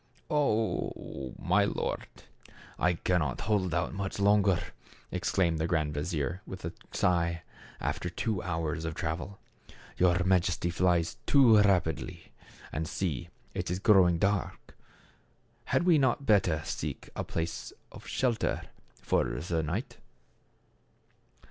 "Oh! my lord, I cannot hold out longer," exclaimed the grand vizier with a sigh, after two hours of travel. "Your Majesty flies too rapidly. And see; it is growing dark. Had not we better seek a place of shelter for the night